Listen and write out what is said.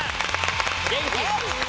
元気。